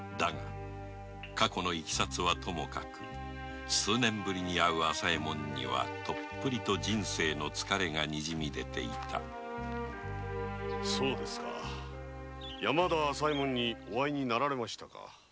過去のイキサツはともかく数年ぶりに会う朝右衛門にはどっぷりと人生の疲れが出ていた山田朝右衛門にお会いになられましたか？